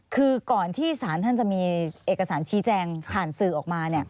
คือก่อนที่ศาลท่านจะมีเอกสารชี้แจงผ่านสื่อออกมา